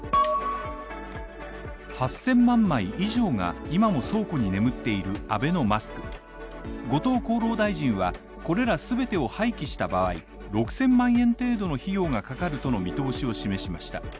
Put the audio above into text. ８０００万枚以上が今も倉庫に眠っているアベノマスク後藤厚労大臣は、これら全てを廃棄した場合、６０００万円程度の費用がかかるとの見通しを示しました。